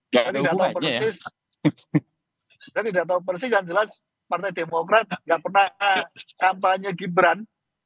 saya tidak tahu persis saya tidak tahu persis yang jelas partai demokrat tidak pernah kampanye gibran